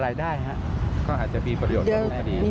เราก็พบรายหลักฐาน